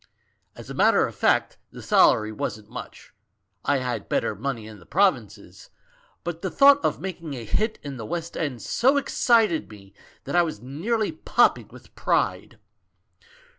As a matter of fact, the salary wasn't much — I had had better money in the provinces — but the thought of making a hit in the West End so excited me that I was nearly popping with pride.